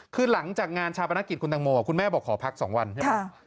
คือหลังจากงานชาปนกิจคุณตังโมคุณแม่บอกขอพัก๒วันใช่ไหม